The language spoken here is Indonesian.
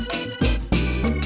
terima kasih bang